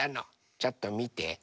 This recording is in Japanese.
ちょっとみて。